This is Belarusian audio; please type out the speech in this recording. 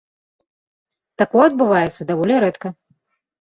Такое адбываецца даволі рэдка.